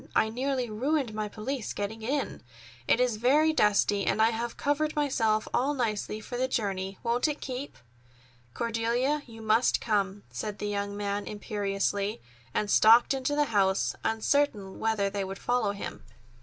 I nearly ruined my pelisse getting in. It is very dusty. And I have covered myself all nicely for the journey. Won't it keep?" "Cordelia, you must come," said the young man imperiously, and stalked into the house, uncertain whether they would follow him.